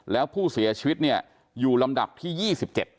แล้วผู้เสียชีวิตเนี่ยอยู่ลำดับที่๒๗